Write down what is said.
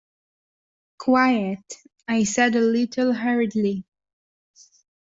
"Quite," I said, a little hurriedly.